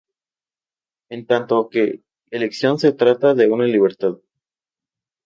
En tanto que elección, se trata de una libertad.